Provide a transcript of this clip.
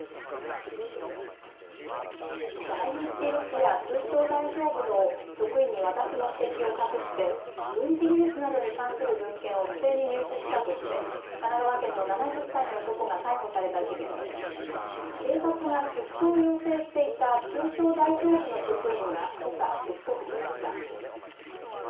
在日ロシア通商代表部の職員に渡す目的を隠して軍事技術などに関する文献を不正に入手したとして神奈川県の７０歳の男が逮捕された事件で警察が出頭を要請していた通商代表部の職員がけさ出国しました。